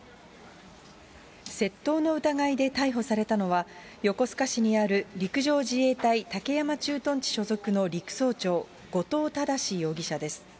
窃盗の疑いで逮捕されたのは、横須賀市にある陸上自衛隊武山駐屯地所属の陸曹長、後藤正容疑者です。